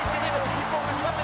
日本２番目。